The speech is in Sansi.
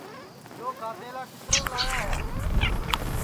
یو گَِدیلا کِتریم لایا ہے